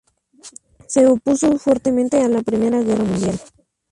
Se opuso fuertemente a la Primera Guerra Mundial.